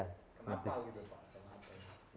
kenapa gitu pak kenapa